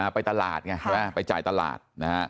ไปตลาดไปจ่ายตลาด